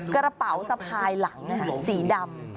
กระเป๋าสะพายหลังสีดำ